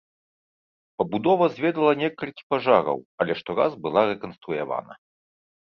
Пабудова зведала некалькі пажараў, але штораз была рэканструявана.